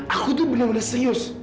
aku tuh bener bener serius